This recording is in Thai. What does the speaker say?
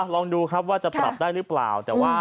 ลองดูครับว่าจะปรับได้หรือเปล่าแต่ว่า